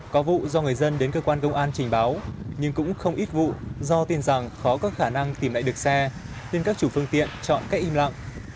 có vụ do người dân đến cơ quan công an trình báo nhưng cũng không ít vụ do tin rằng khó có khả năng tìm lại được xe nên các chủ phương tiện chọn cách im lặng